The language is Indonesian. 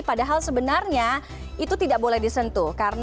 padahal sebenarnya itu tidak boleh disentuh